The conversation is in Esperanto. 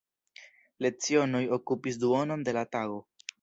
Lecionoj okupis duonon de la tago.